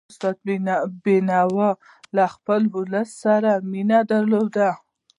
استاد بينوا له خپل ولس سره مینه درلودله.